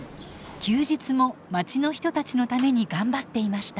休日もまちの人たちのために頑張っていました。